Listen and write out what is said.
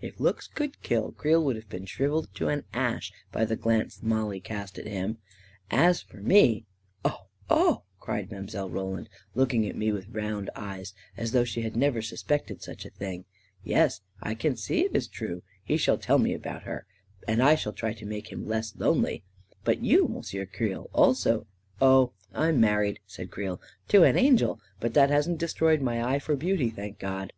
If looks could kill, Creel would have been shriv eled to an ash by the glance Mollie cast at him. As for me ..." Oh — oh I " cried Mile. Roland, looking at me with round eyes, as though she had never suspected such a thing. " Yes, I can see it is true I He shall tell me about her — and I shall try to make him less lonely I But you, M'sieu Creel, also ..." "Oh, I'm married," said Creel; "to an angel; but that hasn't destroyed my eye for beauty, thank God!"